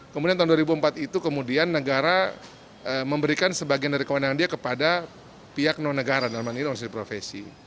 kemudian tahun dua ribu empat itu kemudian negara memberikan sebagian dari kewenangan dia kepada pihak non negara dalam hal ini organisasi profesi